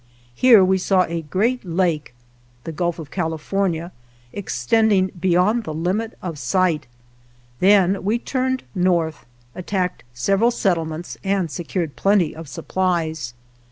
Here we saw a great lake 3 extend ing beyond the limit of sight. Then we turned north, attacked several settlements, and secured plenty of supplies.